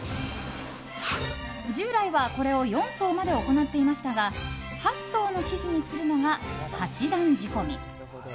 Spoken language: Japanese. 従来は、これを４層まで行っていましたが８層の生地にするのが八段仕込み。